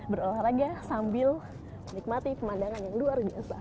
berolahraga sambil menikmati pemandangan yang luar biasa